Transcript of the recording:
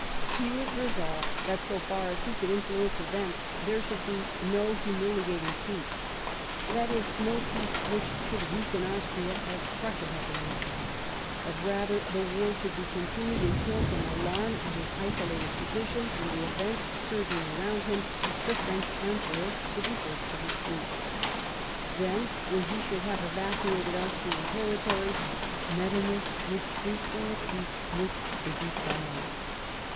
He was resolved that, so far as he could influence events, there should be no humiliating peace — that is, no peace which should weaken Austria as Prussia had been weakened ; that, rather, the war should be continued until, from alarm at his isolated position and the events surging around him, the French Emperor should be forced to retreat. Then, when he should have evacuated Austrian territory, Metternich would treat for a peace which should be solid.